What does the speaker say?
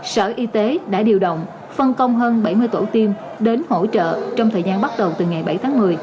sở y tế đã điều động phân công hơn bảy mươi tổ tiêm đến hỗ trợ trong thời gian bắt đầu từ ngày bảy tháng một mươi